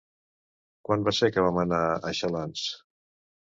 Quan va ser que vam anar a Xalans?